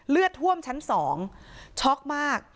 เลือดท่วมชั้น๒ช็อกมาก